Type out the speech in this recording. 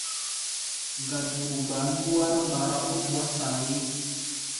Gaduru gbaa yúwár mgbara ó tuá saayé.